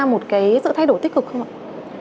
một cái sự thay đổi tích cực không ạ